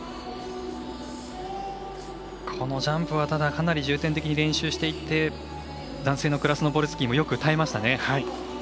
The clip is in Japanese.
ジャンプはかなり重点的に練習してきて男性のクラスノポルスキーもよく耐えましたね。